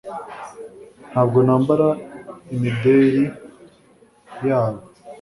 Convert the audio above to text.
ntabwo nambara imideri yabo